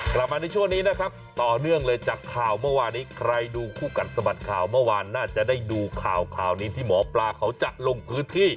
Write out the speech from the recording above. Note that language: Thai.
กลับมาในช่วงนี้นะครับต่อเนื่องเลยจากข่าวเมื่อวานนี้ใครดูคู่กัดสะบัดข่าวเมื่อวานน่าจะได้ดูข่าวข่าวนี้ที่หมอปลาเขาจะลงพื้นที่